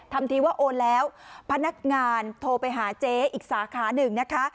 ทำทีว่าโอนแล้วพนักงานโทรไปหาเจ๊อีกสาขาหนึ่งนะคะ